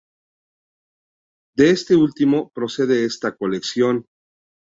De este último, procede esta colección.